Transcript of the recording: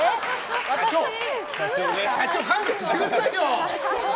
社長、勘弁してくださいよ！